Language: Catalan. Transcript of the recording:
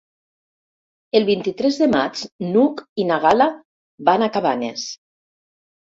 El vint-i-tres de maig n'Hug i na Gal·la van a Cabanes.